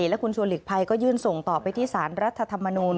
และคุณชวนหลีกภัยก็ยื่นส่งต่อไปที่สารรัฐธรรมนูล